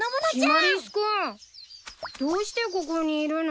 あっシマリスくん。どうしてここにいるの？